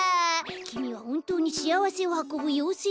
きみはほんとうにしあわせをはこぶようせいなの？